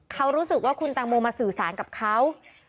เขารู้สึกว่าคุณตังโมมาสื่อสารกับเขา